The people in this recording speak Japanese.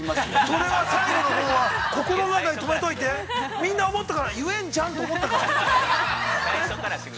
◆それは最後のほうは、心の中で止めておいて、みんな思ったから、言えんちゃうんと思ったから。